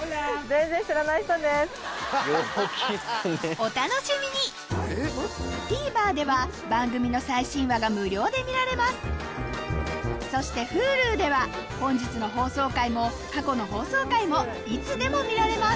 お楽しみにＴＶｅｒでは番組の最新話が無料で見られますそしてＨｕｌｕでは本日の放送回も過去の放送回もいつでも見られます